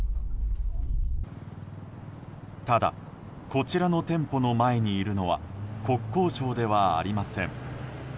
ただ、こちらの店舗の前にいるのは国交省ではありません。